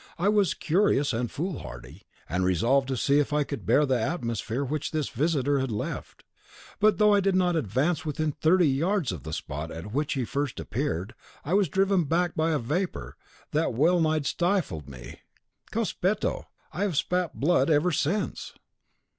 I was curious and foolhardy, and resolved to see if I could bear the atmosphere which this visitor had left; but though I did not advance within thirty yards of the spot at which he had first appeared, I was driven back by a vapour that wellnigh stifled me. Cospetto! I have spat blood ever since."